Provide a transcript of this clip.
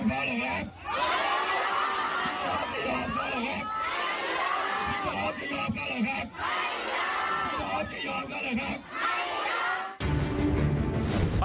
พี่น้องจะยอมกันหรือครับ